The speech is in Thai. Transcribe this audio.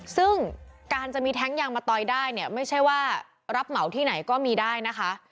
ซึ่งการจะมีแท้งยางมะตอยได้เนี่ยไม่ใช่ว่ารับเหมาที่ไหนก็มีได้นะคะ